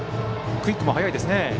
クイックも早いですね。